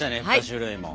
３種類も。